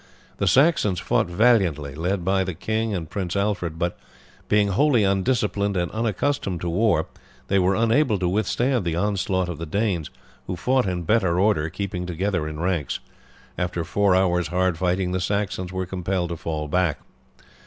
The Saxons fought valiantly, led by the king and Prince Alfred; but being wholly undisciplined and unaccustomed to war they were unable to withstand the onslaught of the Danes, who fought in better order, keeping together in ranks: after four hours' hard fighting the Saxons were compelled to fall back.